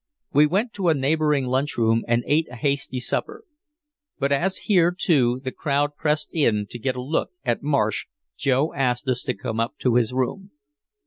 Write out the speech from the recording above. We went to a neighboring lunchroom and ate a hasty supper. But as here, too, the crowd pressed in to get a look at Marsh, Joe asked us to come up to his room.